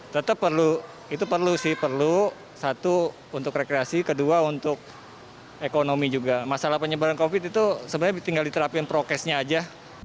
tetap perlu itu perlu sih perlu satu untuk rekreasi kedua untuk ekonomi juga masalah penyebaran covid itu sebenarnya tinggal diterapin prokesnya aja